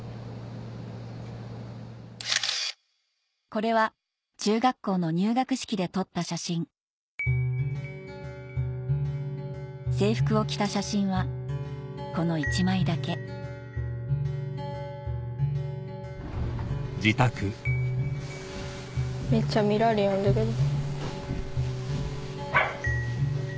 これは中学校の入学式で撮った写真制服を着た写真はこの１枚だけめっちゃ見られよるんじゃけど。